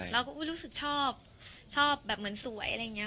เราก็รู้สึกชอบชอบแบบเหมือนสวยอะไรอย่างนี้